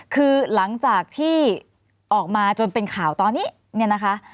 คือหลังจากที่ออกมาจนเป็นข่าวตอนนี้